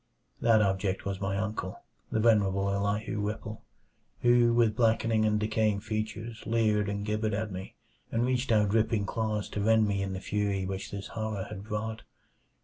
That object was my uncle the venerable Elihu Whipple who with blackening and decaying features leered and gibbered at me, and reached out dripping claws to rend me in the fury which this horror had brought.